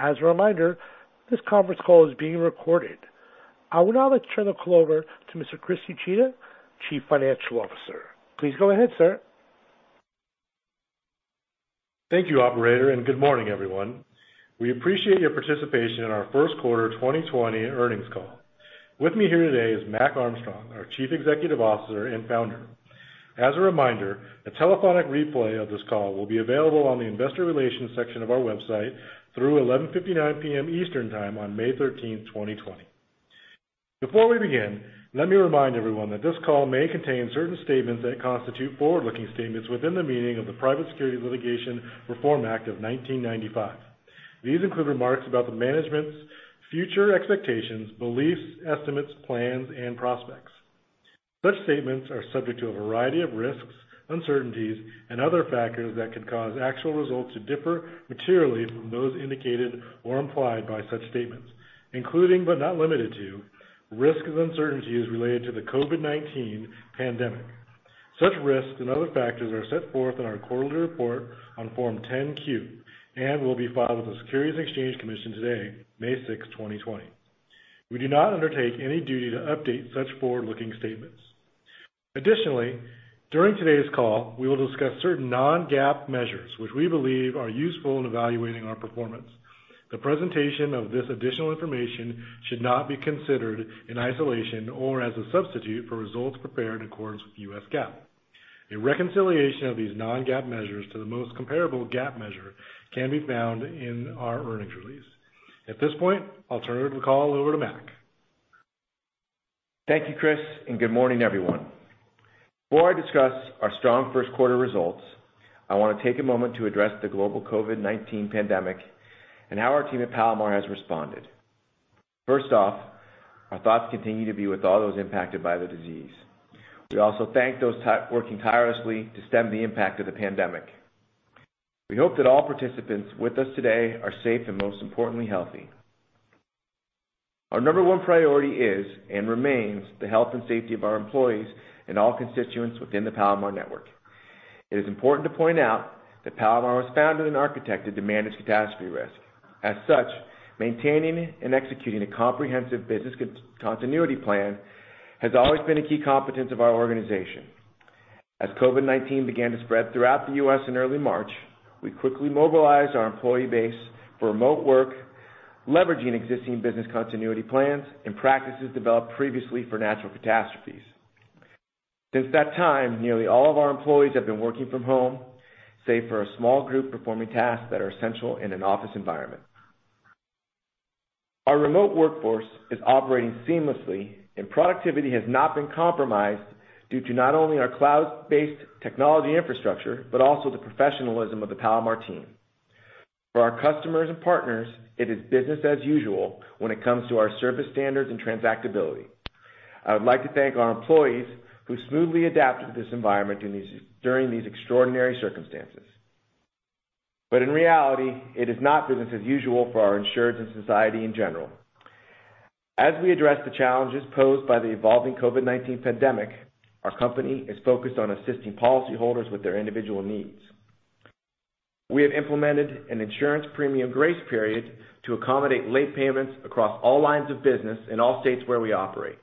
As a reminder, this conference call is being recorded. I will now turn the call over to Mr. Chris Uchida, Chief Financial Officer. Please go ahead, sir. Thank you, operator. Good morning, everyone. We appreciate your participation in our first quarter 2020 earnings call. With me here today is Mac Armstrong, our Chief Executive Officer and founder. As a reminder, a telephonic replay of this call will be available on the investor relations section of our website through 11:59 P.M. Eastern Time on May 13, 2020. Before we begin, let me remind everyone that this call may contain certain statements that constitute forward-looking statements within the meaning of the Private Securities Litigation Reform Act of 1995. These include remarks about the management's future expectations, beliefs, estimates, plans, and prospects. Such statements are subject to a variety of risks, uncertainties, and other factors that could cause actual results to differ materially from those indicated or implied by such statements, including but not limited to risks and uncertainties related to the COVID-19 pandemic. Such risks and other factors are set forth in our quarterly report on Form 10-Q and will be filed with the Securities and Exchange Commission today, May 6th, 2020. We do not undertake any duty to update such forward-looking statements. Additionally, during today's call, we will discuss certain non-GAAP measures which we believe are useful in evaluating our performance. The presentation of this additional information should not be considered in isolation or as a substitute for results prepared in accordance with U.S. GAAP. A reconciliation of these non-GAAP measures to the most comparable GAAP measure can be found in our earnings release. At this point, I'll turn the call over to Mac. Thank you, Chris. Good morning, everyone. Before I discuss our strong first quarter results, I want to take a moment to address the global COVID-19 pandemic and how our team at Palomar has responded. First off, our thoughts continue to be with all those impacted by the disease. We also thank those working tirelessly to stem the impact of the pandemic. We hope that all participants with us today are safe and most importantly, healthy. Our number one priority is and remains the health and safety of our employees and all constituents within the Palomar network. It is important to point out that Palomar was founded and architected to manage catastrophe risk. As such, maintaining and executing a comprehensive business continuity plan has always been a key competence of our organization. As COVID-19 began to spread throughout the U.S. in early March, we quickly mobilized our employee base for remote work, leveraging existing business continuity plans and practices developed previously for natural catastrophes. Since that time, nearly all of our employees have been working from home, save for a small group performing tasks that are essential in an office environment. Our remote workforce is operating seamlessly and productivity has not been compromised due to not only our cloud-based technology infrastructure, but also the professionalism of the Palomar team. For our customers and partners, it is business as usual when it comes to our service standards and transactability. I would like to thank our employees who smoothly adapted to this environment during these extraordinary circumstances. In reality, it is not business as usual for our insureds and society in general. As we address the challenges posed by the evolving COVID-19 pandemic, our company is focused on assisting policyholders with their individual needs. We have implemented an insurance premium grace period to accommodate late payments across all lines of business in all states where we operate.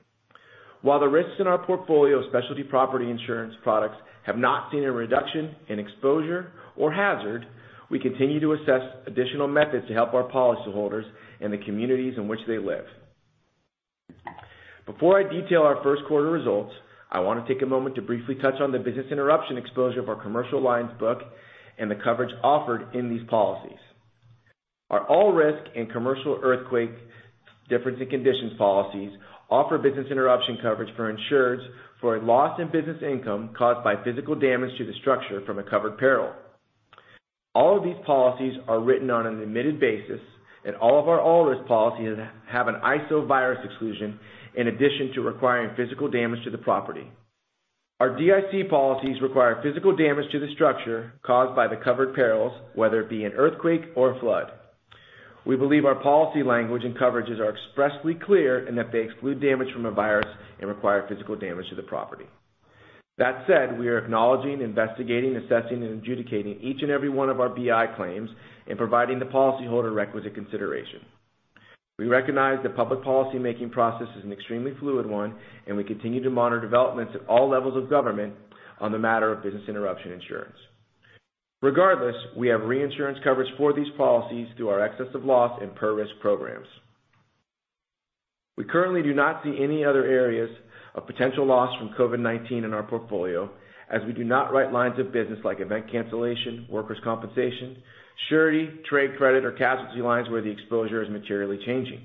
While the risks in our portfolio of specialty property insurance products have not seen a reduction in exposure or hazard, we continue to assess additional methods to help our policyholders and the communities in which they live. Before I detail our first quarter results, I want to take a moment to briefly touch on the business interruption exposure of our commercial lines book and the coverage offered in these policies. Our all-risk and commercial earthquake difference in conditions policies offer business interruption coverage for insureds for a loss in business income caused by physical damage to the structure from a covered peril. All of these policies are written on an admitted basis, and all of our all-risk policies have an ISO virus exclusion in addition to requiring physical damage to the property. Our DIC policies require physical damage to the structure caused by the covered perils, whether it be an earthquake or a flood. We believe our policy language and coverages are expressly clear in that they exclude damage from a virus and require physical damage to the property. That said, we are acknowledging, investigating, assessing, and adjudicating each and every one of our BI claims and providing the policyholder requisite consideration. We recognize the public policymaking process is an extremely fluid one, and we continue to monitor developments at all levels of government on the matter of business interruption insurance. Regardless, we have reinsurance coverage for these policies through our excess of loss and per-risk programs. We currently do not see any other areas of potential loss from COVID-19 in our portfolio, as we do not write lines of business like event cancellation, workers' compensation, surety, trade credit, or casualty lines where the exposure is materially changing.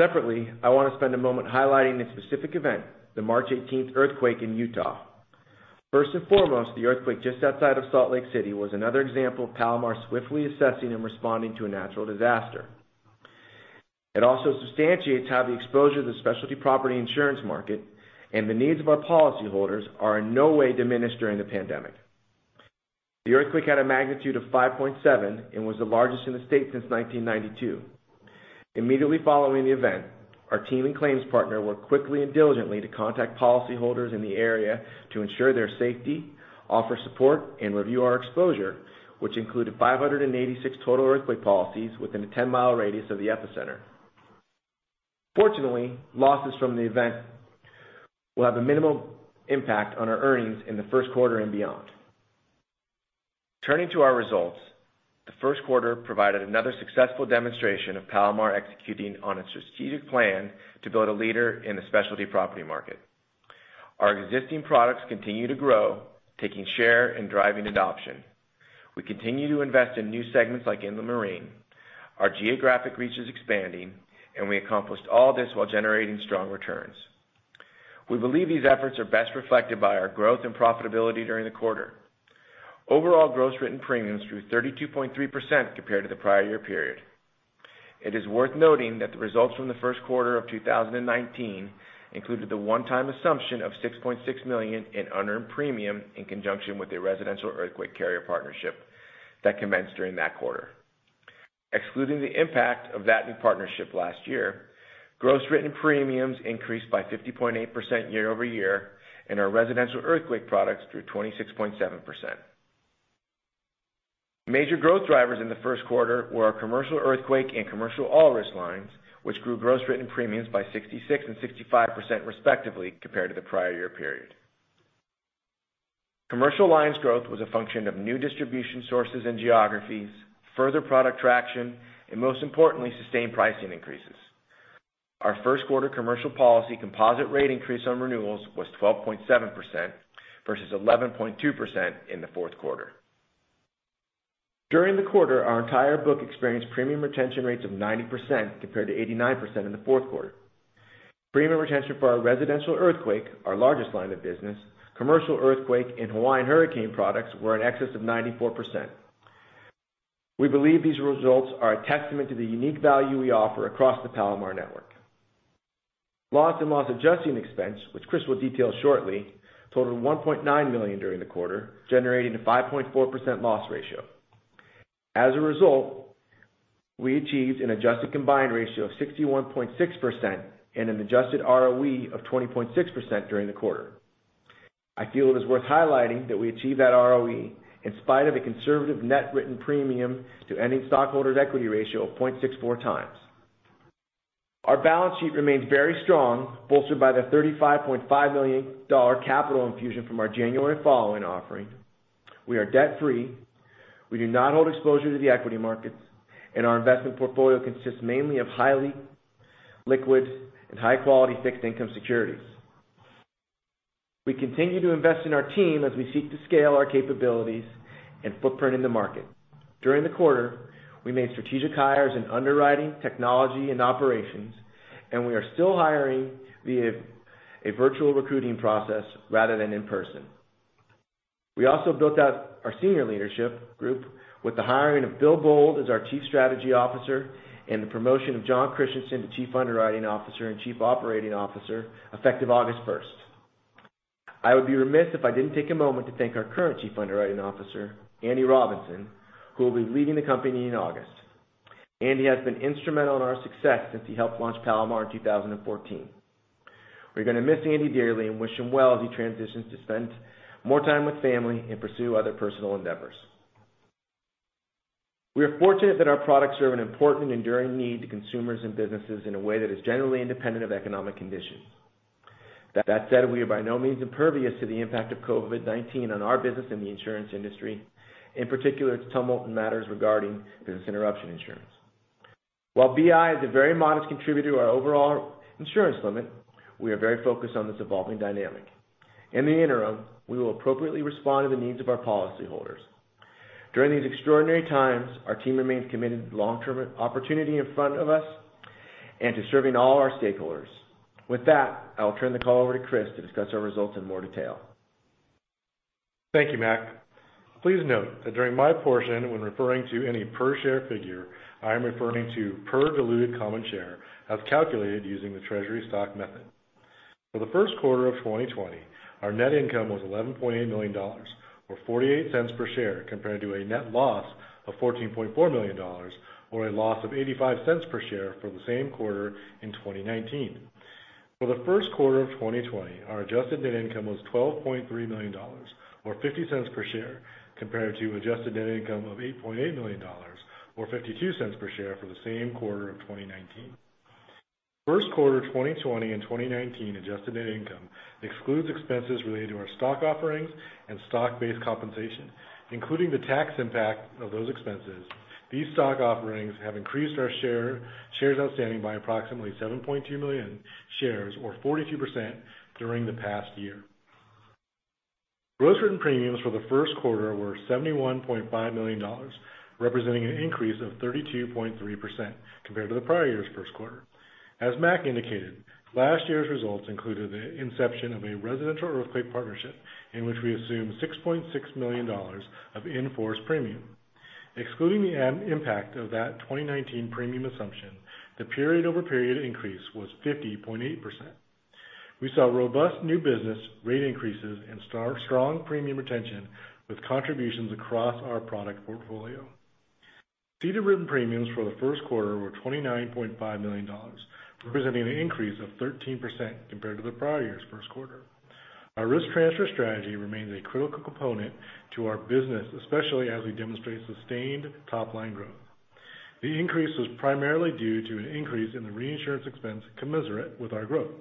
Separately, I want to spend a moment highlighting a specific event, the March 18th earthquake in Utah. First and foremost, the earthquake just outside of Salt Lake City was another example of Palomar swiftly assessing and responding to a natural disaster. It also substantiates how the exposure of the specialty property insurance market and the needs of our policyholders are in no way diminished during the pandemic. The earthquake had a magnitude of 5.7 and was the largest in the state since 1992. Immediately following the event, our team and claims partner worked quickly and diligently to contact policyholders in the area to ensure their safety, offer support, and review our exposure, which included 586 total earthquake policies within a 10-mile radius of the epicenter. Fortunately, losses from the event will have a minimal impact on our earnings in the first quarter and beyond. Turning to our results, the first quarter provided another successful demonstration of Palomar executing on a strategic plan to build a leader in the specialty property market. Our existing products continue to grow, taking share and driving adoption. We continue to invest in new segments like inland marine. Our geographic reach is expanding, and we accomplished all this while generating strong returns. We believe these efforts are best reflected by our growth and profitability during the quarter. Overall, gross written premiums grew 32.3% compared to the prior year period. It is worth noting that the results from the first quarter of 2019 included the one-time assumption of $6.6 million in unearned premium in conjunction with a residential earthquake carrier partnership that commenced during that quarter. Excluding the impact of that new partnership last year, gross written premiums increased by 50.8% year-over-year, and our residential earthquake products grew 26.7%. Major growth drivers in the first quarter were our commercial earthquake and commercial all-risk lines, which grew gross written premiums by 66% and 65%, respectively, compared to the prior year period. Commercial lines growth was a function of new distribution sources and geographies, further product traction, and most importantly, sustained pricing increases. Our first quarter commercial policy composite rate increase on renewals was 12.7% versus 11.2% in the fourth quarter. During the quarter, our entire book experienced premium retention rates of 90% compared to 89% in the fourth quarter. Premium retention for our residential earthquake, our largest line of business, commercial earthquake and Hawaiian hurricane products were in excess of 94%. We believe these results are a testament to the unique value we offer across the Palomar network. Loss and loss adjusting expense, which Chris will detail shortly, totaled $1.9 million during the quarter, generating a 5.4% loss ratio. As a result, we achieved an adjusted combined ratio of 61.6% and an adjusted ROE of 20.6% during the quarter. I feel it is worth highlighting that we achieved that ROE in spite of the conservative net written premium to ending stockholders' equity ratio of 0.64 times. Our balance sheet remains very strong, bolstered by the $35.5 million capital infusion from our January following offering. We are debt-free. We do not hold exposure to the equity markets, and our investment portfolio consists mainly of highly liquid and high-quality fixed income securities. We continue to invest in our team as we seek to scale our capabilities and footprint in the market. During the quarter, we made strategic hires in underwriting, technology, and operations, and we are still hiring via a virtual recruiting process rather than in person. We also built out our senior leadership group with the hiring of Bill Bold as our Chief Strategy Officer and the promotion of Jon Christianson to Chief Underwriting Officer and Chief Operating Officer effective August 1st. I would be remiss if I didn't take a moment to thank our current Chief Underwriting Officer, Andy Robinson, who will be leaving the company in August. Andy has been instrumental in our success since he helped launch Palomar in 2014. We're going to miss Andy dearly and wish him well as he transitions to spend more time with family and pursue other personal endeavors. We are fortunate that our products serve an important enduring need to consumers and businesses in a way that is generally independent of economic conditions. That said, we are by no means impervious to the impact of COVID-19 on our business and the insurance industry, in particular to tumult matters regarding business interruption insurance. While BI is a very modest contributor to our overall insurance limit, we are very focused on this evolving dynamic. In the interim, we will appropriately respond to the needs of our policyholders. During these extraordinary times, our team remains committed to the long-term opportunity in front of us and to serving all our stakeholders. With that, I'll turn the call over to Chris to discuss our results in more detail. Thank you, Mac. Please note that during my portion when referring to any per share figure, I am referring to per diluted common share as calculated using the treasury stock method. For the first quarter of 2020, our net income was $11.8 million, or $0.48 per share, compared to a net loss of $14.4 million, or a loss of $0.85 per share for the same quarter in 2019. For the first quarter of 2020, our adjusted net income was $12.3 million, or $0.50 per share, compared to adjusted net income of $8.8 million, or $0.52 per share for the same quarter of 2019. First quarter 2020 and 2019 adjusted net income excludes expenses related to our stock offerings and stock-based compensation, including the tax impact of those expenses. These stock offerings have increased our shares outstanding by approximately 7.2 million shares or 42% during the past year. Gross written premiums for the first quarter were $71.5 million, representing an increase of 32.3% compared to the prior year's first quarter. As Mac indicated, last year's results included the inception of a residential earthquake partnership in which we assumed $6.6 million of in-force premium. Excluding the impact of that 2019 premium assumption, the period-over-period increase was 50.8%. We saw robust new business rate increases and strong premium retention with contributions across our product portfolio. Ceded written premiums for the first quarter were $29.5 million, representing an increase of 13% compared to the prior year's first quarter. Our risk transfer strategy remains a critical component to our business, especially as we demonstrate sustained top-line growth. The increase was primarily due to an increase in the reinsurance expense commensurate with our growth.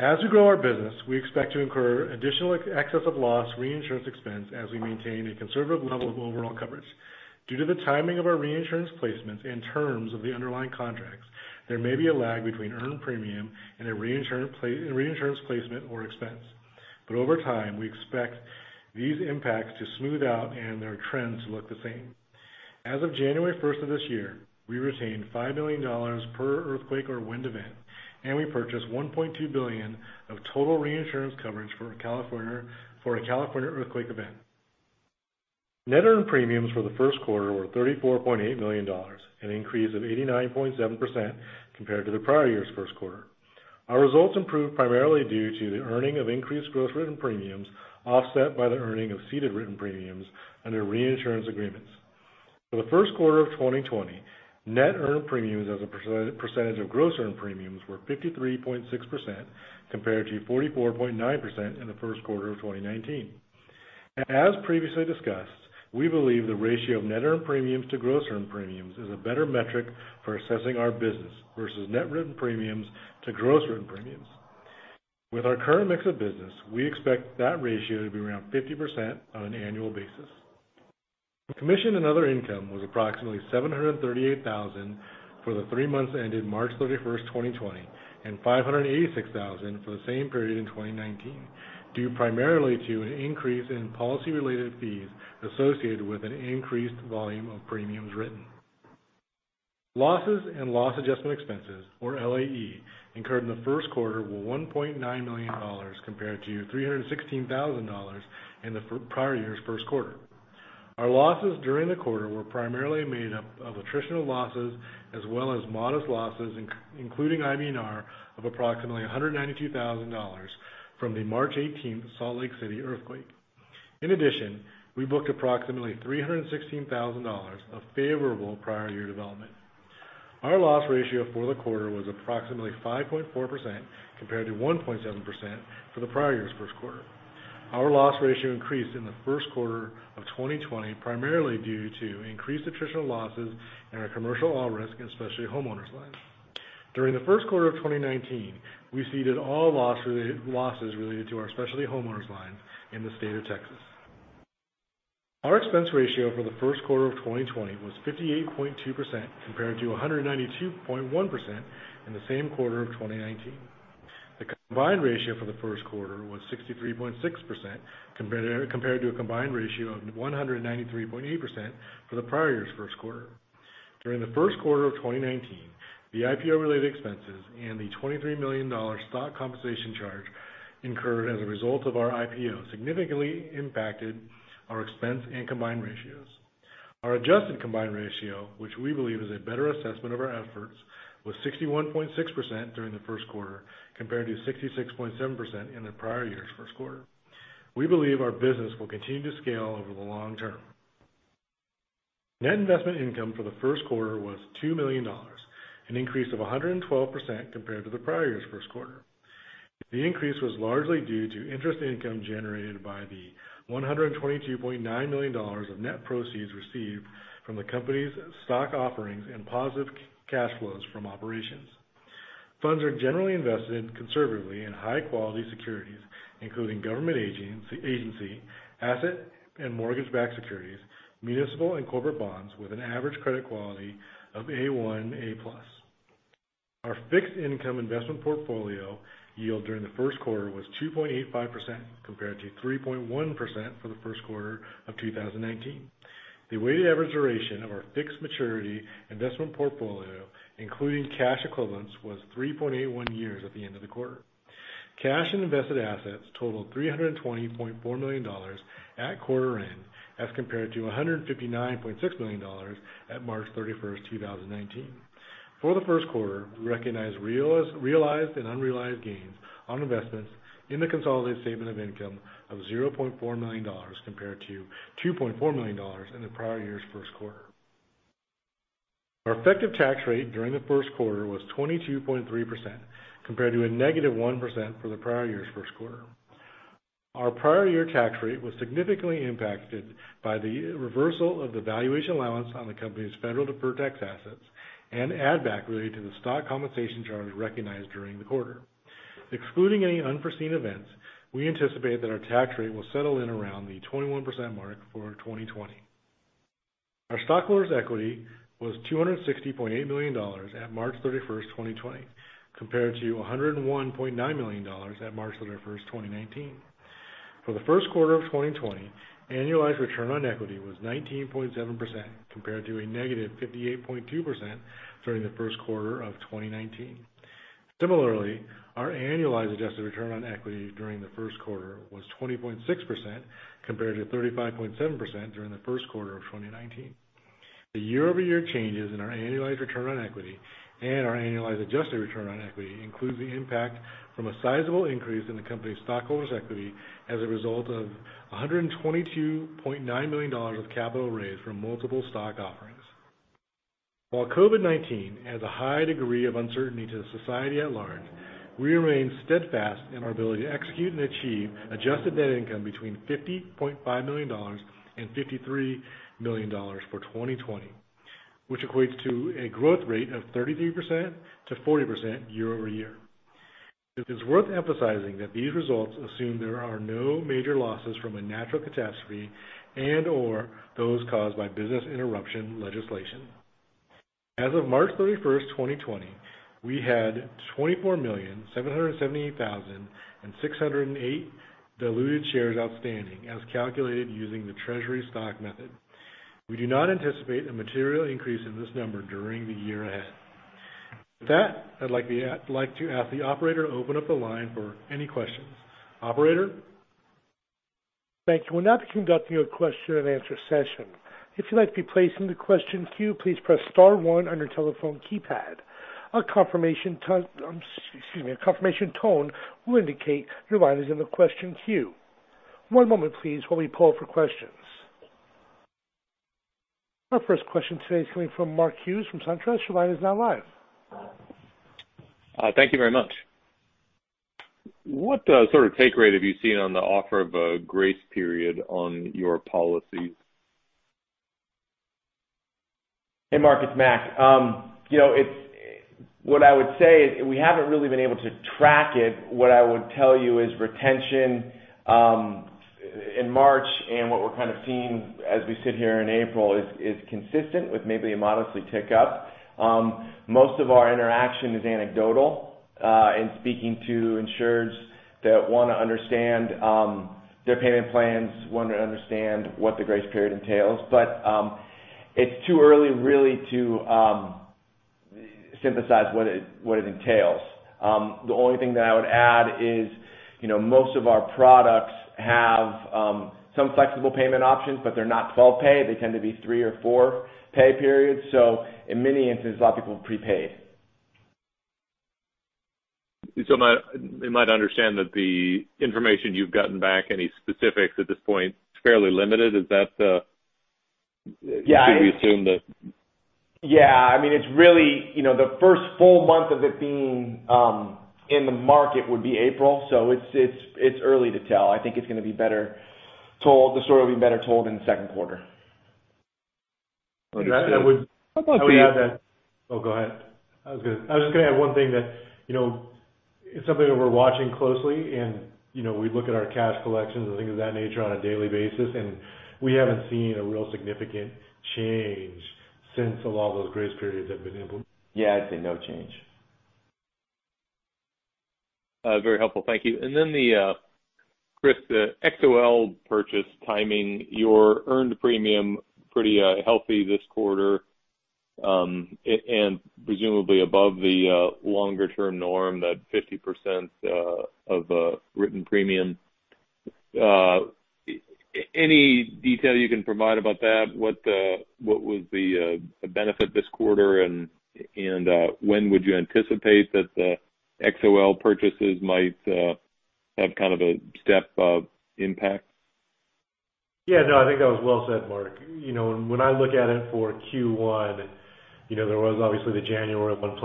As we grow our business, we expect to incur additional excess of loss reinsurance expense as we maintain a conservative level of overall coverage. Due to the timing of our reinsurance placements and terms of the underlying contracts, there may be a lag between earned premium and a reinsurance placement or expense. Over time, we expect these impacts to smooth out and their trends to look the same. As of January 1st of this year, we retained $5 million per earthquake or wind event, and we purchased $1.2 billion of total reinsurance coverage for a California earthquake event. Net earned premiums for the first quarter were $34.8 million, an increase of 89.7% compared to the prior year's first quarter. Our results improved primarily due to the earning of increased gross written premiums, offset by the earning of ceded written premiums under reinsurance agreements. For the first quarter of 2020, net earned premiums as a percentage of gross written premiums were 53.6%, compared to 44.9% in the first quarter of 2019. As previously discussed, we believe the ratio of net earned premiums to gross earned premiums is a better metric for assessing our business versus net written premiums to gross written premiums. With our current mix of business, we expect that ratio to be around 50% on an annual basis. Commission and other income was approximately $738,000 for the three months ended March 31st, 2020, and $586,000 for the same period in 2019, due primarily to an increase in policy-related fees associated with an increased volume of premiums written. Losses and loss adjustment expenses, or LAE, incurred in the first quarter were $1.9 million compared to $316,000 in the prior year's first quarter. Our losses during the quarter were primarily made up of attritional losses as well as modest losses, including IBNR of approximately $192,000 from the March 18th Salt Lake City earthquake. In addition, we booked approximately $316,000 of favorable prior year development. Our loss ratio for the quarter was approximately 5.4%, compared to 1.7% for the prior year's first quarter. Our loss ratio increased in the first quarter of 2020, primarily due to increased attritional losses in our commercial all-risk and specialty homeowners lines. During the first quarter of 2019, we ceded all losses related to our specialty homeowners lines in the state of Texas. Our expense ratio for the first quarter of 2020 was 58.2%, compared to 192.1% in the same quarter of 2019. The combined ratio for the first quarter was 63.6%, compared to a combined ratio of 193.8% for the prior year's first quarter. During the first quarter of 2019, the IPO-related expenses and the $23 million stock compensation charge incurred as a result of our IPO significantly impacted our expense and combined ratios. Our adjusted combined ratio, which we believe is a better assessment of our efforts, was 61.6% during the first quarter, compared to 66.7% in the prior year's first quarter. We believe our business will continue to scale over the long term. Net investment income for the first quarter was $2 million, an increase of 112% compared to the prior year's first quarter. The increase was largely due to interest income generated by the $122.9 million of net proceeds received from the company's stock offerings and positive cash flows from operations. Funds are generally invested conservatively in high-quality securities, including government agency, asset and mortgage-backed securities, municipal and corporate bonds with an average credit quality of A1, A+. Our fixed income investment portfolio yield during the first quarter was 2.85%, compared to 3.1% for the first quarter of 2019. The weighted average duration of our fixed maturity investment portfolio, including cash equivalents, was 3.81 years at the end of the quarter. Cash and invested assets totaled $320.4 million at quarter end, as compared to $159.6 million at March 31st, 2019. For the first quarter, we recognized realized and unrealized gains on investments in the consolidated statement of income of $0.4 million compared to $2.4 million in the prior year's first quarter. Our effective tax rate during the first quarter was 22.3%, compared to a negative 1% for the prior year's first quarter. Our prior year tax rate was significantly impacted by the reversal of the valuation allowance on the company's federal deferred tax assets and add back related to the stock compensation charges recognized during the quarter. Excluding any unforeseen events, we anticipate that our tax rate will settle in around the 21% mark for 2020. Our stockholders' equity was $260.8 million at March 31st, 2020, compared to $101.9 million at March 31st, 2019. For the first quarter of 2020, annualized return on equity was 19.7%, compared to a negative 58.2% during the first quarter of 2019. Similarly, our annualized adjusted return on equity during the first quarter was 20.6%, compared to 35.7% during the first quarter of 2019. The year-over-year changes in our annualized return on equity and our annualized adjusted return on equity includes the impact from a sizable increase in the company's stockholders' equity as a result of $122.9 million of capital raised from multiple stock offerings. While COVID-19 adds a high degree of uncertainty to the society at large, we remain steadfast in our ability to execute and achieve adjusted net income between $50.5 million and $53 million for 2020, which equates to a growth rate of 33% to 40% year-over-year. It is worth emphasizing that these results assume there are no major losses from a natural catastrophe and/or those caused by business interruption legislation. As of March 31st, 2020, we had 24,778,608 diluted shares outstanding as calculated using the treasury stock method. We do not anticipate a material increase in this number during the year ahead. With that, I'd like to ask the operator to open up the line for any questions. Operator? Thank you. We'll now be conducting a question and answer session. If you'd like to be placed into question queue, please press star one on your telephone keypad. A confirmation tone will indicate your line is in the question queue. One moment, please, while we poll for questions. Our first question today is coming from Mark Hughes from SunTrust. Your line is now live. Thank you very much. What sort of take rate have you seen on the offer of a grace period on your policies? Hey, Mark, it's Mac. What I would say is we haven't really been able to track it. What I would tell you is retention in March, and what we're kind of seeing as we sit here in April, is consistent with maybe a modestly tick up. Most of our interaction is anecdotal, and speaking to insureds that want to understand their payment plans, want to understand what the grace period entails. It's too early really to synthesize what it entails. The only thing that I would add is most of our products have some flexible payment options, but they're not 12-pay. They tend to be three or four pay periods. In many instances, a lot of people prepaid. Am I to understand that the information you've gotten back, any specifics at this point, it's fairly limited? Should we assume that? The first full month of it being in the market would be April, so it's early to tell. I think the story will be better told in the second quarter. Understood. Oh, go ahead. I was going to add one thing that it's something that we're watching closely, and we look at our cash collections and things of that nature on a daily basis, and we haven't seen a real significant change since a lot of those grace periods have been implemented. Yeah. I'd say no change. Very helpful. Thank you. Chris, the XOL purchase timing, your earned premium, pretty healthy this quarter, and presumably above the longer-term norm, that 50% of written premium. Any detail you can provide about that? What was the benefit this quarter, and when would you anticipate that the XOL purchases might have kind of a step impact? Yeah. No, I think that was well said, Mark. When I look at it for Q1, there was obviously the January 1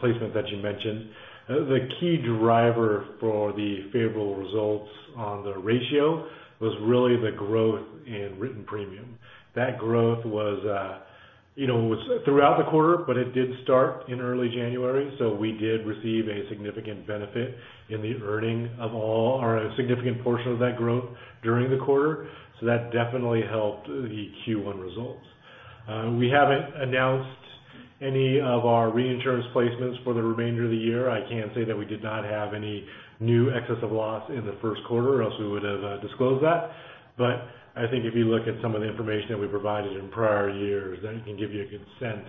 placement that you mentioned. The key driver for the favorable results on the ratio was really the growth in written premium. That growth was throughout the quarter, but it did start in early January, so we did receive a significant benefit in the earning of a significant portion of that growth during the quarter. That definitely helped the Q1 results. We haven't announced any of our reinsurance placements for the remainder of the year. I can say that we did not have any new excess of loss in the first quarter, or else we would have disclosed that. I think if you look at some of the information that we provided in prior years, that can give you a good sense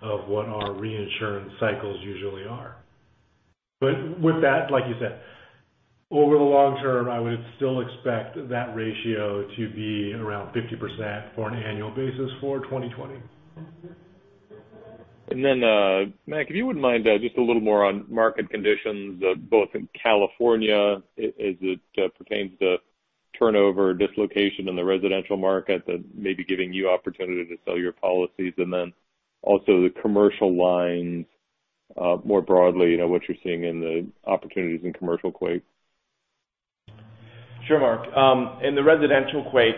of what our reinsurance cycles usually are. With that, like you said, over the long term, I would still expect that ratio to be around 50% for an annual basis for 2020. Mac, if you wouldn't mind just a little more on market conditions, both in California as it pertains to turnover, dislocation in the residential market that may be giving you opportunity to sell your policies, also the commercial lines more broadly, what you're seeing in the opportunities in commercial quake. Sure, Mark. In the residential quake,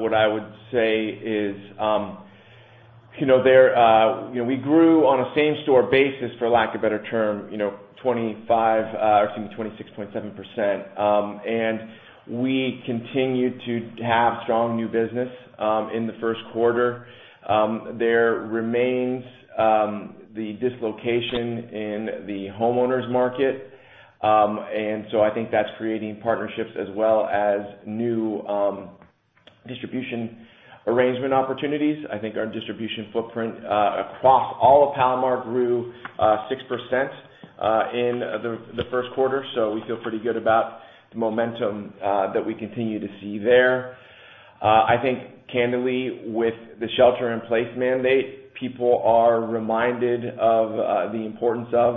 what I would say is we grew on a same store basis, for lack of better term, 26.7%. We continued to have strong new business in the first quarter. There remains the dislocation in the homeowners market. I think that's creating partnerships as well as new distribution arrangement opportunities. I think our distribution footprint across all of Palomar grew 6% in the first quarter. We feel pretty good about the momentum that we continue to see there. I think candidly, with the shelter-in-place mandate, people are reminded of the importance of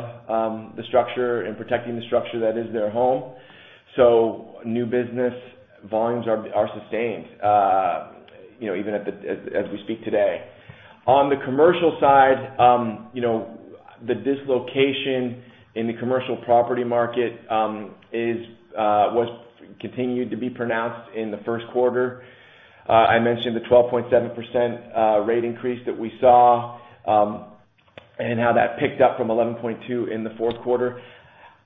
the structure and protecting the structure that is their home. New business volumes are sustained even as we speak today. On the commercial side, the dislocation in the commercial property market continued to be pronounced in the first quarter. I mentioned the 12.7% rate increase that we saw, and how that picked up from 11.2% in the fourth quarter.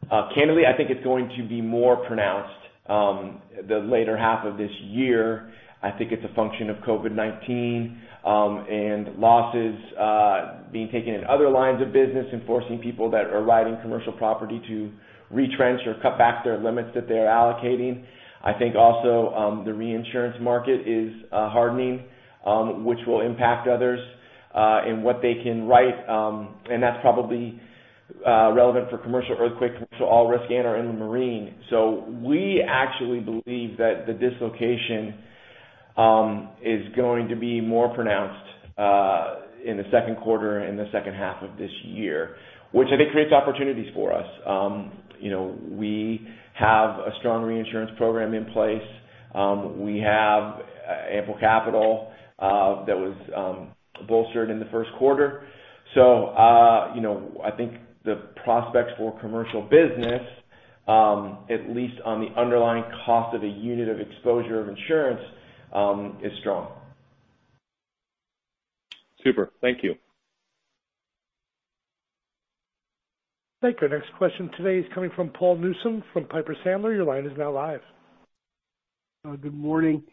Candidly, I think it's going to be more pronounced the later half of this year. I think it's a function of COVID-19 and losses being taken in other lines of business and forcing people that are writing commercial property to retrench or cut back their limits that they're allocating. I think also the reinsurance market is hardening, which will impact others in what they can write. That's probably relevant for commercial earthquake, commercial all-risk, and/or inland marine. We actually believe that the dislocation is going to be more pronounced in the second quarter and the second half of this year, which I think creates opportunities for us. We have a strong reinsurance program in place. We have ample capital that was bolstered in the first quarter. I think the prospects for commercial business, at least on the underlying cost of a unit of exposure of insurance, is strong. Super. Thank you. Thank you. Our next question today is coming from Paul Newsome from Piper Sandler. Your line is now live. Good morning.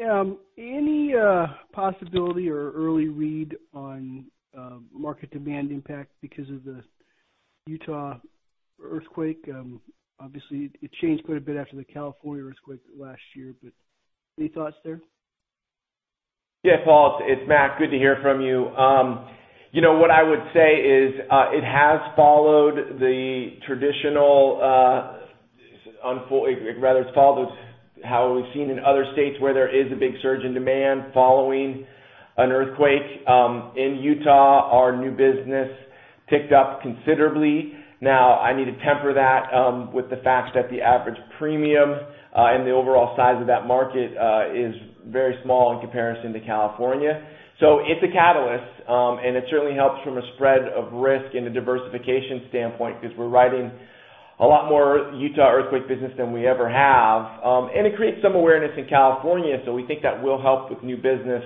Any possibility or early read on market demand impact because of the Utah earthquake? Obviously, it changed quite a bit after the California earthquake last year, but any thoughts there? Yeah, Paul, it's Mac. Good to hear from you. What I would say is it has followed how we've seen in other states where there is a big surge in demand following an earthquake. In Utah, our new business ticked up considerably. Now, I need to temper that with the fact that the average premium and the overall size of that market is very small in comparison to California. It's a catalyst, and it certainly helps from a spread of risk and a diversification standpoint because we're writing a lot more Utah earthquake business than we ever have. It creates some awareness in California, so we think that will help with new business.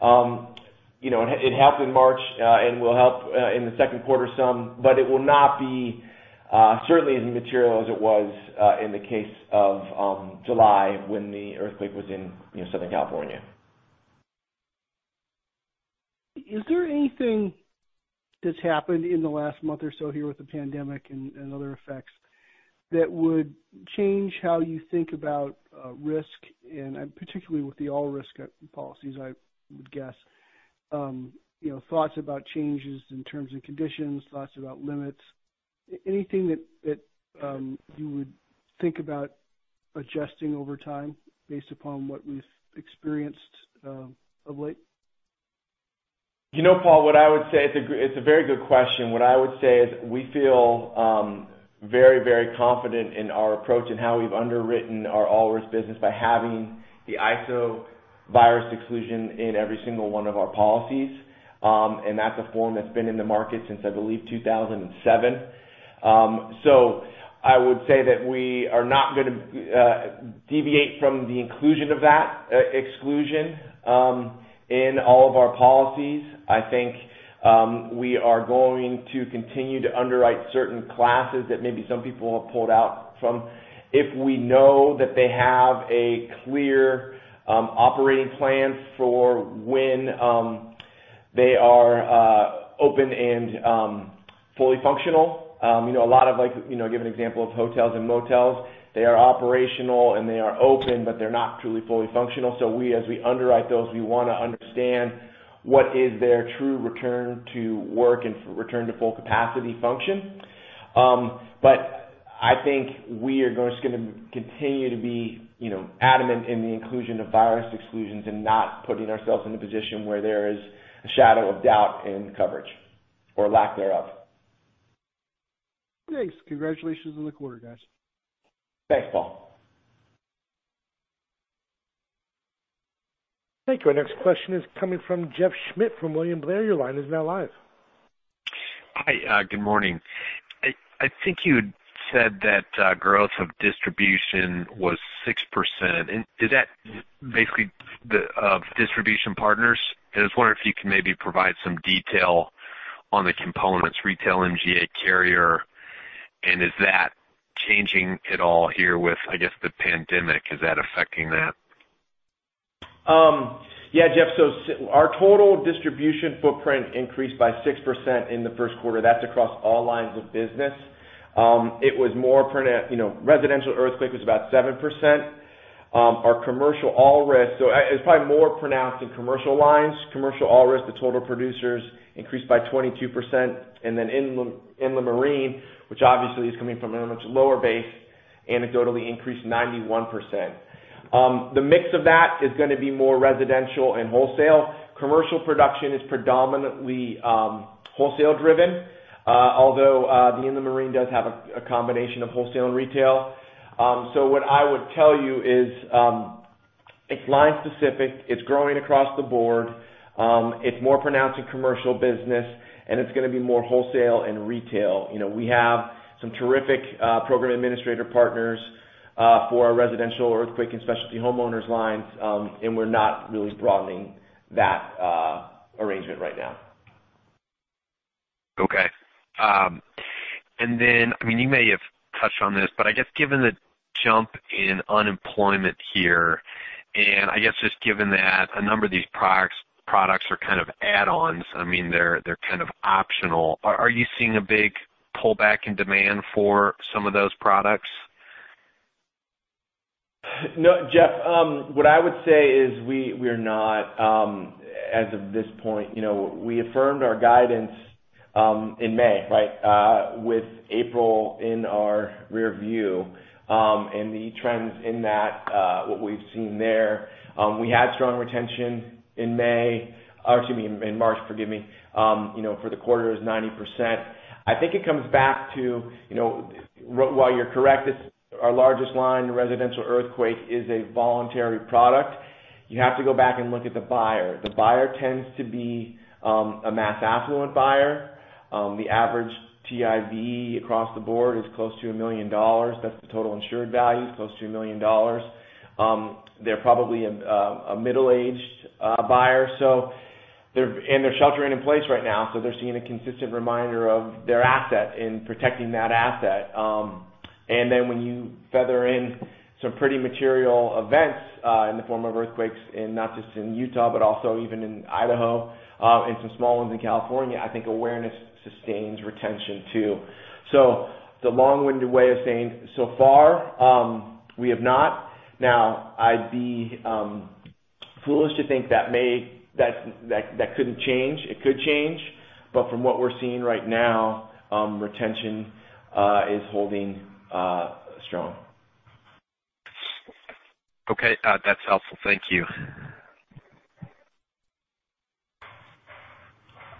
It helped in March, and will help in the second quarter some, but it will not be certainly as material as it was in the case of July when the earthquake was in Southern California. Is there anything that's happened in the last month or so here with the pandemic and other effects that would change how you think about risk and particularly with the all-risk policies, I would guess. Thoughts about changes in terms and conditions, thoughts about limits, anything that you would think about adjusting over time based upon what we've experienced of late? Paul, it's a very good question. What I would say is we feel very confident in our approach and how we've underwritten our all-risk business by having the ISO virus exclusion in every single one of our policies. That's a form that's been in the market since, I believe, 2007. I would say that we are not going to deviate from the inclusion of that exclusion in all of our policies. I think we are going to continue to underwrite certain classes that maybe some people have pulled out from if we know that they have a clear operating plan for when they are open and fully functional. Give an example of hotels and motels. They are operational and they are open, but they're not truly fully functional. As we underwrite those, we want to understand what is their true return to work and return to full capacity function. I think we are just going to continue to be adamant in the inclusion of virus exclusions and not putting ourselves in a position where there is a shadow of doubt in coverage or lack thereof. Thanks. Congratulations on the quarter, guys. Thanks, Paul. Thank you. Our next question is coming from Jeff Schmitt from William Blair. Your line is now live. Hi. Good morning. I think you said that growth of distribution was 6%. Is that basically of distribution partners? I was wondering if you can maybe provide some detail on the components, retail, MGA, carrier, is that changing at all here with, I guess, the pandemic? Is that affecting that? Yeah, Jeff. Our total distribution footprint increased by 6% in the first quarter. That's across all lines of business. Residential earthquake was about 7%. commercial all-risk. It's probably more pronounced in commercial lines, commercial all-risk to total producers increased by 22%. Then inland marine, which obviously is coming from a much lower base, anecdotally increased 91%. The mix of that is going to be more residential and wholesale. Commercial production is predominantly wholesale driven. Although the inland marine does have a combination of wholesale and retail. What I would tell you is, it's line specific, it's growing across the board. It's more pronounced in commercial business, and it's going to be more wholesale and retail. We have some terrific program administrator partners, for our residential earthquake, and specialty homeowners lines. We're not really broadening that arrangement right now. Okay. You may have touched on this, but I guess given the jump in unemployment here, I guess just given that a number of these products are kind of add-ons, they're kind of optional. Are you seeing a big pullback in demand for some of those products? No, Jeff. What I would say is we're not, as of this point. We affirmed our guidance in May with April in our rear view. The trends in that, what we've seen there. We had strong retention in May, or excuse me, in March, forgive me, for the quarter is 90%. I think it comes back to, while you're correct, it's our largest line, residential earthquake is a voluntary product. You have to go back and look at the buyer. The buyer tends to be a mass affluent buyer. The average TIV across the board is close to $1 million. That's the total insured value, is close to $1 million. They're probably a middle-aged buyer, and they're sheltering in place right now, so they're seeing a consistent reminder of their asset and protecting that asset. When you feather in some pretty material events, in the form of earthquakes, not just in Utah, but also even in Idaho, some small ones in California, I think awareness sustains retention too. It's a long-winded way of saying, so far, we have not. Now, I'd be foolish to think that couldn't change. It could change. From what we're seeing right now, retention is holding strong. Okay. That's helpful. Thank you.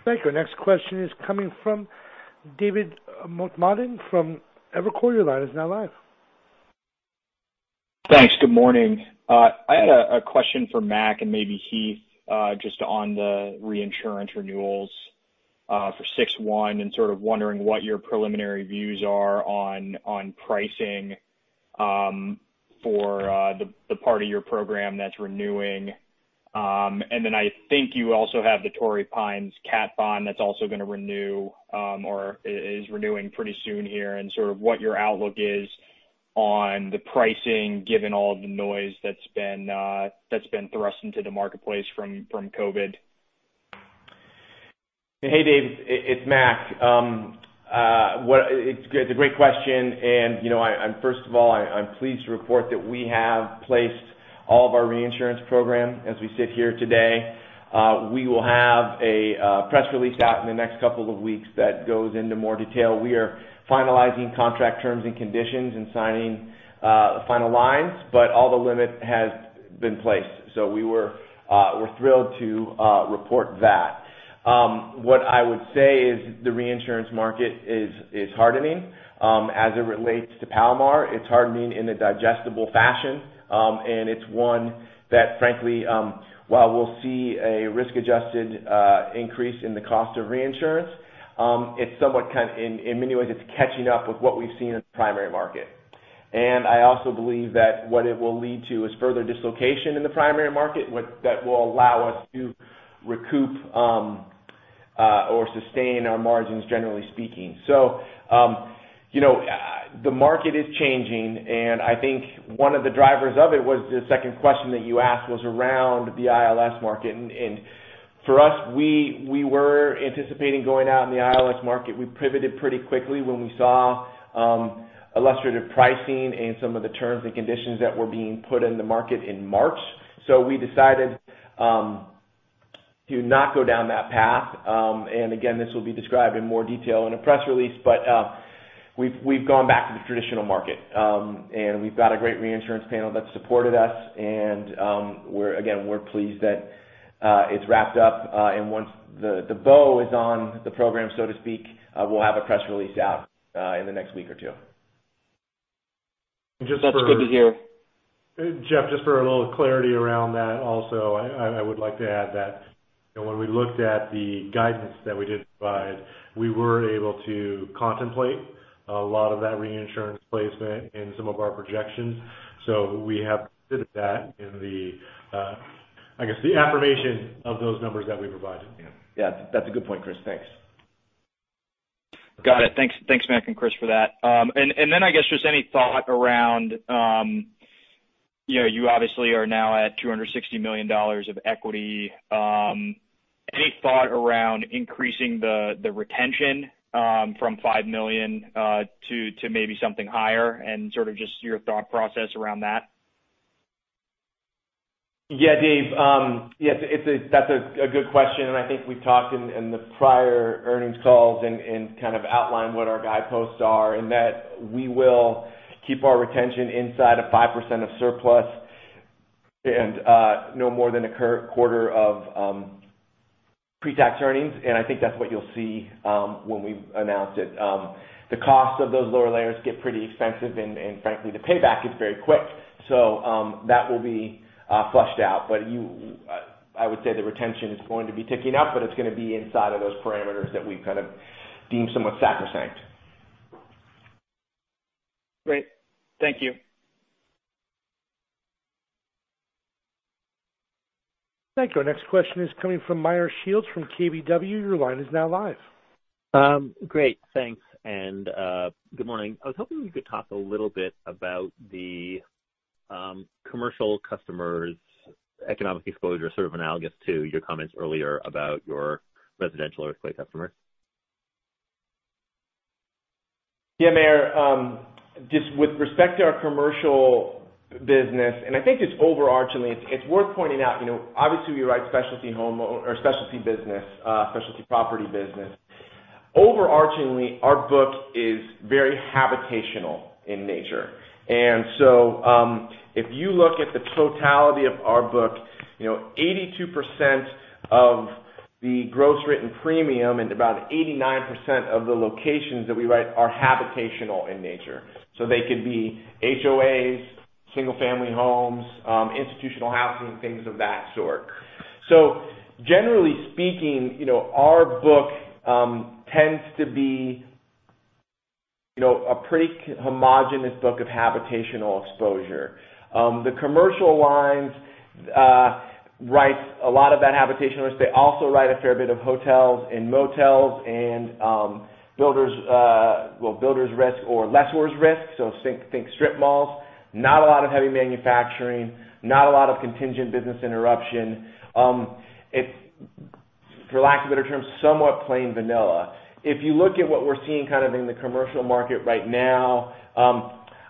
Thank you. Next question is coming from David Motemaden from Evercore. Your line is now live. Thanks. Good morning. I had a question for Mac and maybe Heath, just on the reinsurance renewals for 6/1, sort of wondering what your preliminary views are on pricing for the part of your program that's renewing. Then I think you also have the Torrey Pines Re that's also going to renew, or is renewing pretty soon here, and sort of what your outlook is on the pricing, given all of the noise that's been thrust into the marketplace from COVID. Hey, Dave. It's Mac. It's a great question. First of all, I'm pleased to report that we have placed all of our reinsurance program as we sit here today. We will have a press release out in the next couple of weeks that goes into more detail. We are finalizing contract terms and conditions and signing final lines, but all the limit has been placed. We're thrilled to report that. What I would say is the reinsurance market is hardening. As it relates to Palomar, it's hardening in a digestible fashion, and it's one that frankly, while we'll see a risk-adjusted increase in the cost of reinsurance, in many ways it's catching up with what we've seen in the primary market. I also believe that what it will lead to is further dislocation in the primary market that will allow us to recoup or sustain our margins, generally speaking. The market is changing, and I think one of the drivers of it was the second question that you asked was around the ILS market. For us, we were anticipating going out in the ILS market. We pivoted pretty quickly when we saw illustrative pricing and some of the terms and conditions that were being put in the market in March. We decided to not go down that path. Again, this will be described in more detail in a press release, but we've gone back to the traditional market. We've got a great reinsurance panel that supported us, and again, we're pleased that it's wrapped up. Once the bow is on the program, so to speak, we'll have a press release out in the next week or two. That's good to hear. Jeff, just for a little clarity around that also, I would like to add that when we looked at the guidance that we did provide, we were able to contemplate a lot of that reinsurance placement in some of our projections. We have considered that in the affirmation of those numbers that we provided. Yeah. That's a good point, Chris. Thanks. Got it. Thanks, Mac and Chris for that. I guess just any thought around, you obviously are now at $260 million of equity. Any thought around increasing the retention from $5 million to maybe something higher, and just your thought process around that? Yeah, Dave. That's a good question. I think we've talked in the prior earnings calls and kind of outlined what our guideposts are, and that we will keep our retention inside of 5% of surplus and no more than a quarter of pre-tax earnings. I think that's what you'll see when we've announced it. The cost of those lower layers get pretty expensive, and frankly, the payback is very quick. That will be flushed out. I would say the retention is going to be ticking up, but it's going to be inside of those parameters that we've kind of deemed somewhat sacrosanct. Great. Thank you. Thank you. Our next question is coming from Meyer Shields from KBW. Your line is now live. Thanks, good morning. I was hoping you could talk a little bit about the commercial customers' economic exposure, sort of analogous to your comments earlier about your residential earthquake customers. Meyer. Just with respect to our commercial business, I think it's overarchingly, it's worth pointing out, obviously we write specialty home or specialty business, specialty property business. Overarchingly, our book is very habitational in nature. If you look at the totality of our book, 82% of the gross written premium and about 89% of the locations that we write are habitational in nature. They could be HOAs, single-family homes, institutional housing, things of that sort. Generally speaking, our book tends to be a pretty homogenous book of habitational exposure. The commercial lines writes a lot of that habitational risk. They also write a fair bit of hotels and motels and builders risk or lessor's risk, so think strip malls. Not a lot of heavy manufacturing, not a lot of contingent business interruption. It's, for lack of a better term, somewhat plain vanilla. If you look at what we're seeing in the commercial market right now,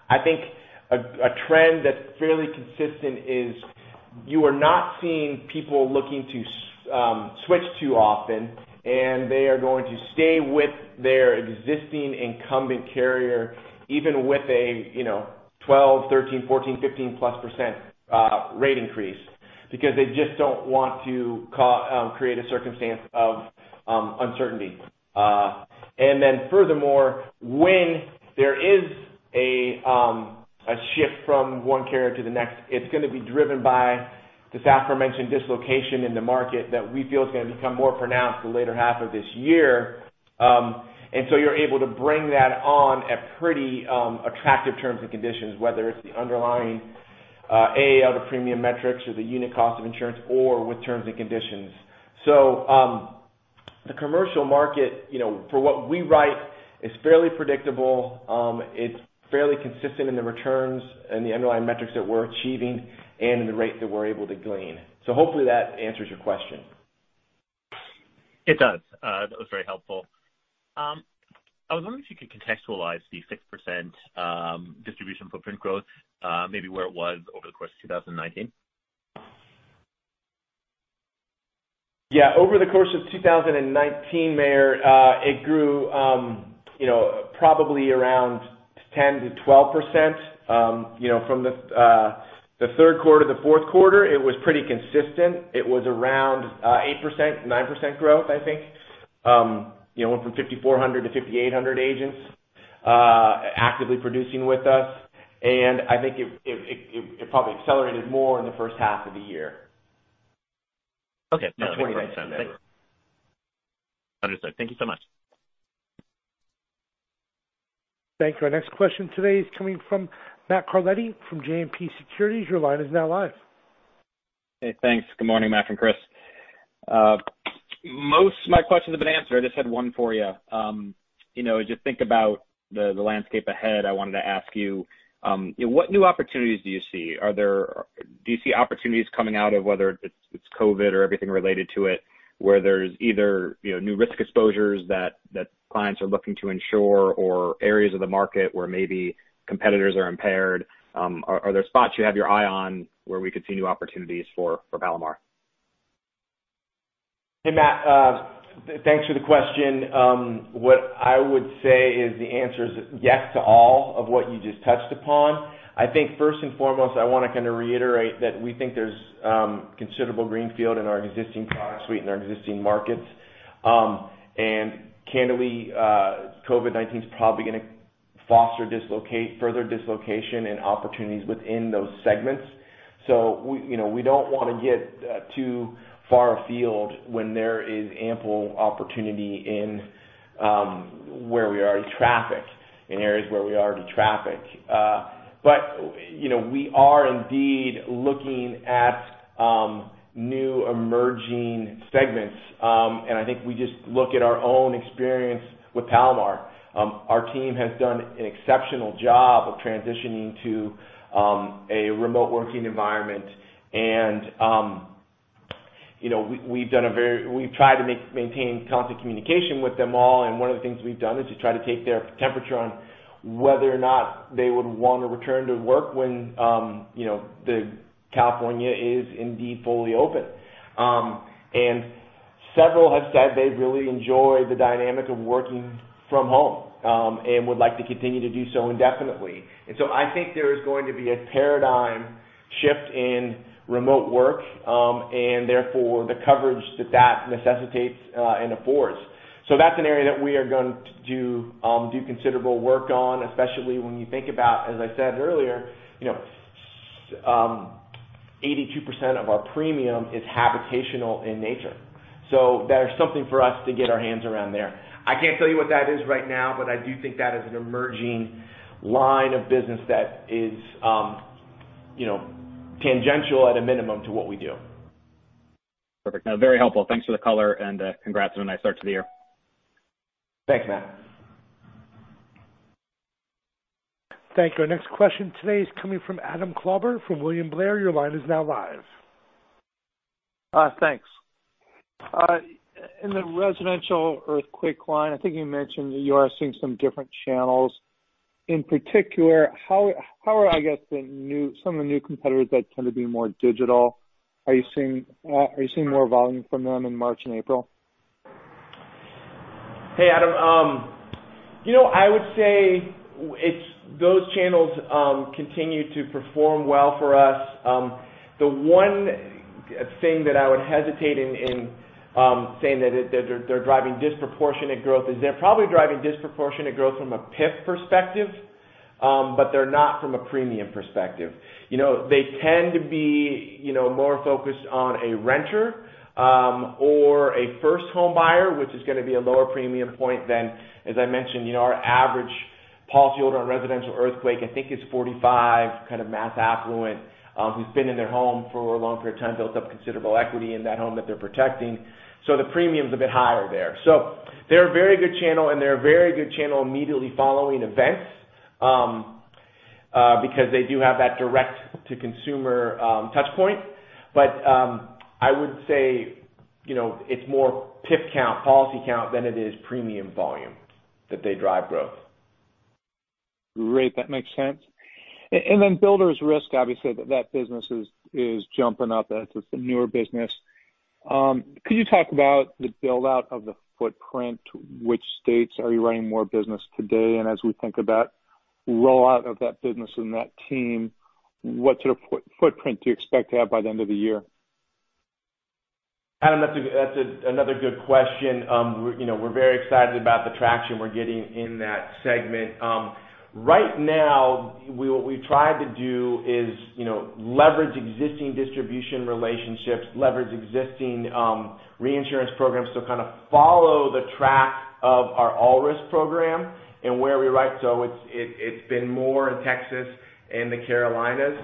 I think a trend that's fairly consistent is you are not seeing people looking to switch too often, they are going to stay with their existing incumbent carrier, even with a 12%, 13%, 14%, 15%-plus rate increase, because they just don't want to create a circumstance of uncertainty. Furthermore, when there is a shift from one carrier to the next, it's going to be driven by this aforementioned dislocation in the market that we feel is going to become more pronounced the later half of this year. You're able to bring that on at pretty attractive terms and conditions, whether it's the underlying A, other premium metrics or the unit cost of insurance or with terms and conditions. The commercial market, for what we write, is fairly predictable. It's fairly consistent in the returns and the underlying metrics that we're achieving and in the rate that we're able to glean. Hopefully that answers your question. It does. That was very helpful. I was wondering if you could contextualize the 6% distribution footprint growth, maybe where it was over the course of 2019. Yeah. Over the course of 2019, Meyer, it grew probably around 10%-12%. From the third quarter to the fourth quarter, it was pretty consistent. It was around 8%, 9% growth, I think. It went from 5,400 to 5,800 agents actively producing with us, and I think it probably accelerated more in the first half of the year. Okay. That's what I meant. In 2019. Understood. Thank you so much. Thank you. Our next question today is coming from Matt Carletti from JMP Securities. Your line is now live. Hey, thanks. Good morning, Mac and Chris. Most my questions have been answered. I just had one for you. As you think about the landscape ahead, I wanted to ask you, what new opportunities do you see? Do you see opportunities coming out of whether it's COVID or everything related to it, where there's either new risk exposures that clients are looking to insure or areas of the market where maybe competitors are impaired? Are there spots you have your eye on where we could see new opportunities for Palomar? Hey, Matt. Thanks for the question. What I would say is the answer is yes to all of what you just touched upon. I think first and foremost, I want to reiterate that we think there's considerable greenfield in our existing product suite and our existing markets. Candidly, COVID-19's probably going to foster further dislocation and opportunities within those segments. We don't want to get too far afield when there is ample opportunity in areas where we already traffic. We are indeed looking at new emerging segments. I think we just look at our own experience with Palomar. Our team has done an exceptional job of transitioning to a remote working environment. We've tried to maintain constant communication with them all, and one of the things we've done is to try to take their temperature on whether or not they would want to return to work when California is indeed fully open. Several have said they've really enjoyed the dynamic of working from home, and would like to continue to do so indefinitely. I think there is going to be a paradigm shift in remote work, and therefore the coverage that that necessitates and affords. That's an area that we are going to do considerable work on, especially when you think about, as I said earlier, 82% of our premium is habitational in nature. There's something for us to get our hands around there. I can't tell you what that is right now, but I do think that is an emerging line of business that is tangential at a minimum to what we do. Perfect. No, very helpful. Thanks for the color and congrats on a nice start to the year. Thanks, Matt. Thank you. Our next question today is coming from Adam Klauber from William Blair. Your line is now live. Thanks. In the residential earthquake line, I think you mentioned that you are seeing some different channels. In particular, how are, I guess, some of the new competitors that tend to be more digital? Are you seeing more volume from them in March and April? Hey, Adam. I would say those channels continue to perform well for us. The one thing that I would hesitate in saying that they're driving disproportionate growth is they're probably driving disproportionate growth from a PIF perspective, but they're not from a premium perspective. They tend to be more focused on a renter, or a first home buyer, which is going to be a lower premium point than, as I mentioned, our average policyholder on residential earthquake, I think it's 45, kind of mass affluent, who's been in their home for a long period of time, built up considerable equity in that home that they're protecting. The premium's a bit higher there. They're a very good channel, and they're a very good channel immediately following events, because they do have that direct-to-consumer touch point. I would say it's more PIF count, policy count than it is premium volume that they drive growth. Great. That makes sense. Builders Risk, obviously, that business is jumping up. That's a newer business. Could you talk about the build-out of the footprint? Which states are you writing more business today? As we think about rollout of that business and that team, what sort of footprint do you expect to have by the end of the year? Adam, that's another good question. We're very excited about the traction we're getting in that segment. Right now, what we've tried to do is leverage existing distribution relationships, leverage existing reinsurance programs to kind of follow the track of our All-Risk Program and where we write. It's been more in Texas and the Carolinas.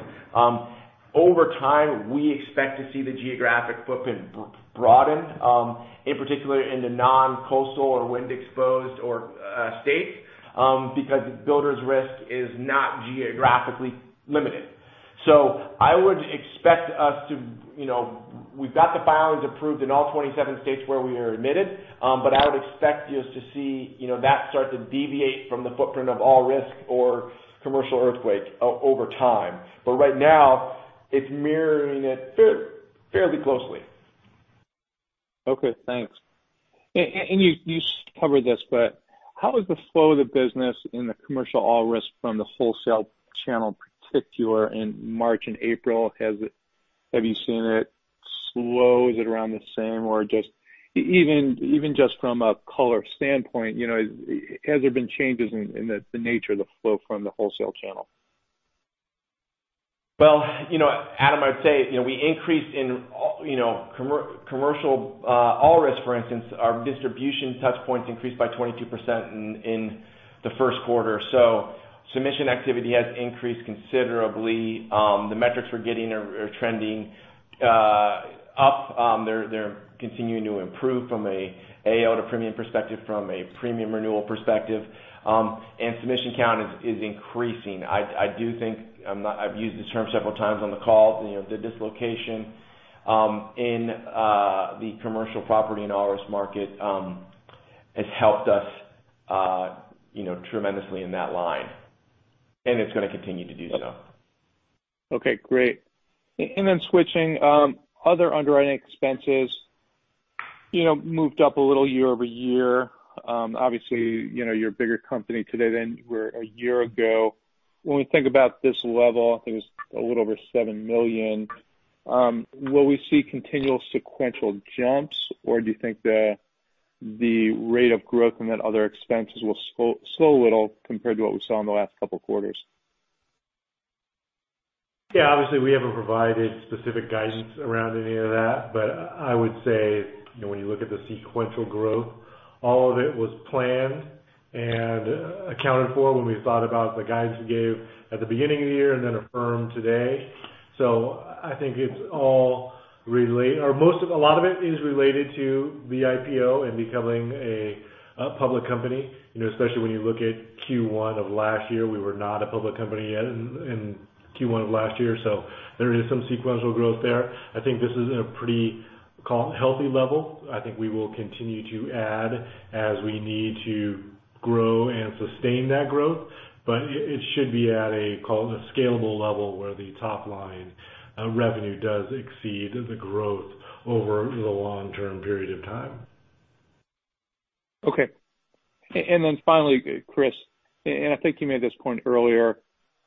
Over time, we expect to see the geographic footprint broaden, in particular in the non-coastal or wind exposed states, because Builders Risk is not geographically limited. I would expect We've got the filings approved in all 27 states where we are admitted. I would expect just to see that start to deviate from the footprint of All Risk or Commercial Earthquake over time. Right now it's mirroring it fairly closely. Okay, thanks. You covered this, how is the flow of the business in the commercial all-risk from the wholesale channel particular in March and April? Have you seen it slow? Is it around the same? Even just from a color standpoint, has there been changes in the nature of the flow from the wholesale channel? Adam, I'd say we increased in commercial all-risk, for instance, our distribution touch points increased by 22% in the first quarter. Submission activity has increased considerably. The metrics we're getting are trending up. They're continuing to improve from an AO to premium perspective, from a premium renewal perspective. Submission count is increasing. I do think, I've used this term several times on the call, the dislocation in the Commercial Property and All Risk Market has helped us tremendously in that line, and it's going to continue to do so. Okay, great. Switching, other underwriting expenses moved up a little year-over-year. Obviously, you're a bigger company today than you were a year ago. When we think about this level, I think it was a little over $7 million, will we see continual sequential jumps, or do you think the rate of growth in that other expenses will slow a little compared to what we saw in the last couple of quarters? Obviously we haven't provided specific guidance around any of that, I would say when you look at the sequential growth All of it was planned and accounted for when we thought about the guidance we gave at the beginning of the year affirmed today. I think a lot of it is related to the IPO and becoming a public company, especially when you look at Q1 of last year, we were not a public company yet in Q1 of last year. There is some sequential growth there. I think this is a pretty healthy level. I think we will continue to add as we need to grow and sustain that growth, but it should be at a scalable level where the top line revenue does exceed the growth over the long-term period of time. Okay. Finally, Chris, I think you made this point earlier.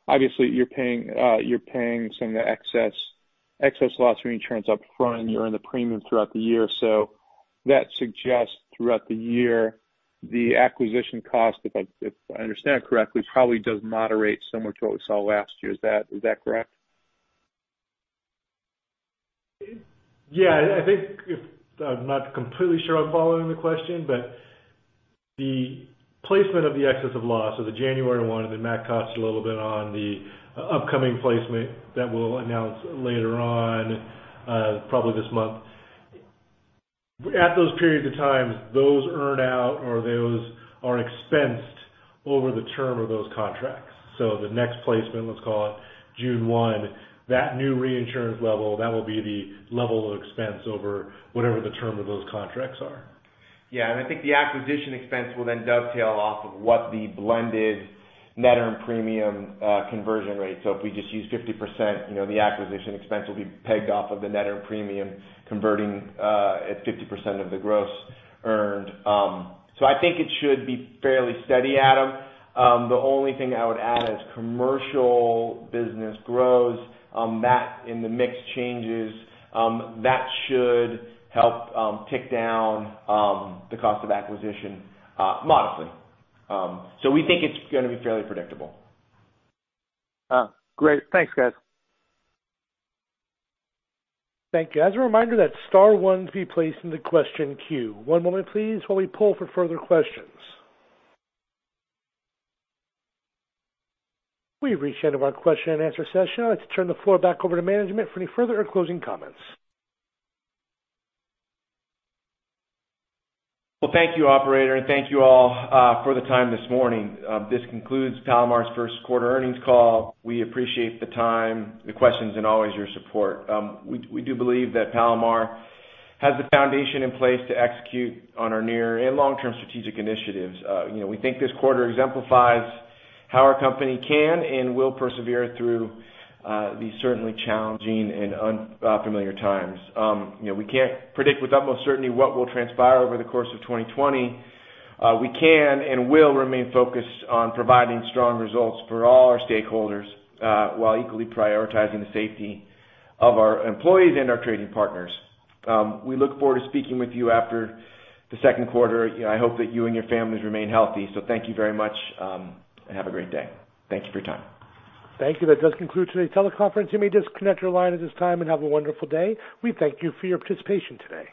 Obviously, you're paying some of the excess loss reinsurance up front, you're in the premium throughout the year. That suggests throughout the year, the acquisition cost, if I understand correctly, probably does moderate similar to what we saw last year. Is that correct? I'm not completely sure I'm following the question, the placement of the excess of loss or the January 1, and then max cost a little bit on the upcoming placement that we'll announce later on, probably this month. At those periods of times, those earn out or those are expensed over the term of those contracts. The next placement, let's call it June 1, that new reinsurance level, that will be the level of expense over whatever the term of those contracts are. Yeah, I think the acquisition expense will then dovetail off of what the blended net earned premium conversion rate. If we just use 50%, the acquisition expense will be pegged off of the net earned premium converting at 50% of the gross earned. I think it should be fairly steady, Adam. The only thing I would add as commercial business grows on that, in the mix changes, that should help tick down the cost of acquisition modestly. We think it's going to be fairly predictable. Great. Thanks, guys. Thank you. As a reminder, that star one be placed in the question queue. One moment please while we pull for further questions. We've reached the end of our question and answer session. I'd like to turn the floor back over to management for any further or closing comments. Thank you, operator. Thank you all for the time this morning. This concludes Palomar's first quarter earnings call. We appreciate the time, the questions, and always your support. We do believe that Palomar has the foundation in place to execute on our near and long-term strategic initiatives. We think this quarter exemplifies how our company can and will persevere through these certainly challenging and unfamiliar times. We can't predict with utmost certainty what will transpire over the course of 2020. We can and will remain focused on providing strong results for all our stakeholders while equally prioritizing the safety of our employees and our trading partners. We look forward to speaking with you after the second quarter. I hope that you and your families remain healthy. Thank you very much. Have a great day. Thank you for your time. Thank you. That does conclude today's teleconference. You may disconnect your line at this time. Have a wonderful day. We thank you for your participation today.